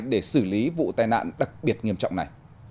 để xử lý vụ tai nạn đặc biệt nghiêm trọng này